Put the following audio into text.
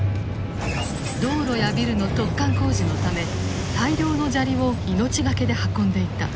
道路やビルの突貫工事のため大量の砂利を命懸けで運んでいた。